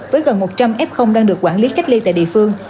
với gần một trăm linh f đang được quản lý cách ly tại địa phương